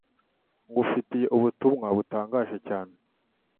Ngufitiye ubutumwa butangaje cyane